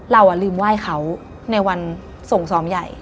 เราลืมไหว้เขาในวันส่งซ้อมใหญ่